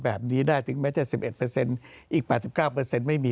แบบนี้ได้ถึงแม้จะ๑๑เปอร์เซ็นต์อีก๘๙เปอร์เซ็นต์ไม่มี